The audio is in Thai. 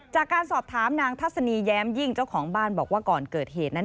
จากการสอบถามนางทัศนีแย้มยิ่งเจ้าของบ้านบอกว่าก่อนเกิดเหตุนั้น